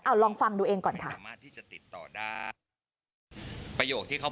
เอาลองฟังดูเองก่อนค่ะ